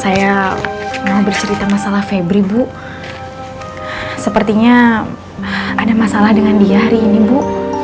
saya mau bercerita masalah febri bu sepertinya ada masalah dengan dia hari ini bu